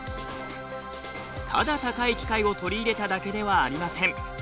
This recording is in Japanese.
ただ高い機械を取り入れただけではありません。